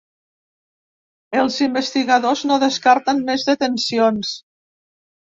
Els investigadors no descarten més detencions.